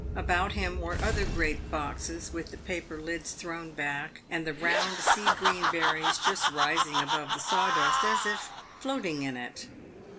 About him were other grape boxes, with the paper lids thrown back and the round sea green berries just rising above the sawdust, as if floating in it.